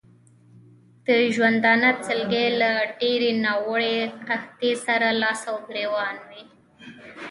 د ژوندانه سلګۍ له ډېرې ناوړه قحطۍ سره لاس او ګرېوان وې.